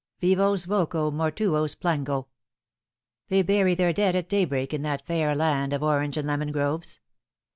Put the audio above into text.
Vivos voco, mortuos plango. They bury their dead at daybreak in that fair land of orange and lemon groves.